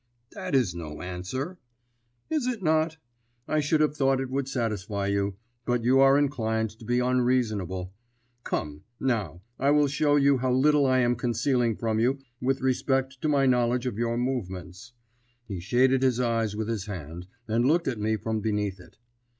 "That is no answer." "Is it not? I should have thought it would satisfy you, but you are inclined to be unreasonable. Come, now, I will show you how little I am concealing from you with respect to my knowledge of your movements." He shaded his eyes with his hand, and looked at me from beneath it.